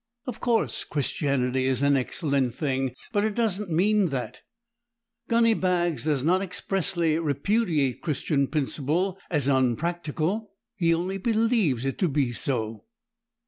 Of course Christianity is an excellent thing, but it doesn't mean that." Gunnybags does not expressly repudiate Christian principle as unpractical; he only believes it to be so.